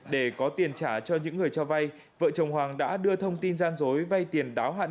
để có tiền trả cho những người cho vay vợ chồng hoàng đã đưa thông tin gian dối vay tiền đáo hạn